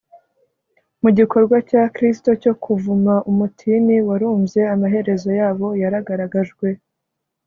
mu gikorwa cya kristo cyo kuvuma umutini warumbye, amaherezo yabo yaragaragajwe